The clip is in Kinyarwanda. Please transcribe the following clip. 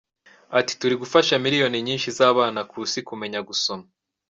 Ati “Turi gufasha miliyoni nyinshi z’abana ku Isi kumenya gusoma.